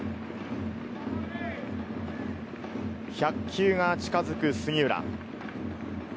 １００球が近づく杉浦。